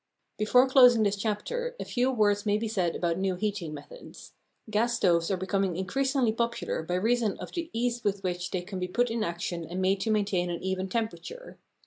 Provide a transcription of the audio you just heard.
Before closing this chapter a few words may be said about new heating methods. Gas stoves are becoming increasingly popular by reason of the ease with which they can be put in action and made to maintain an even temperature.